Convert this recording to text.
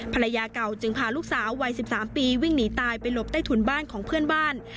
ภรรยาเก่าจึงพาลูกสาววัย๑๓ปีวิ่งหนีตายไปหลบใต้ถุนบ้านของเพื่อนบ้าน